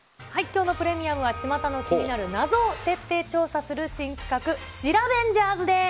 きょうのプレミアムは、ちまたの気になる謎を徹底調査する新企画、シラベンジャーズです。